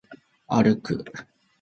歩く